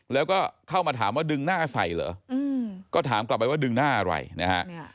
แล้วก็เข้ามาถามว่าดึงหน้าใส่เหรอก็ถามกลับไปว่าดึงหน้าอะไรนะฮะ